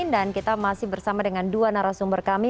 dan kita masih bersama dengan dua narasumber kami